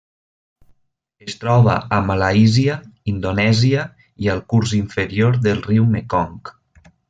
Es troba a Malàisia, Indonèsia i al curs inferior del riu Mekong.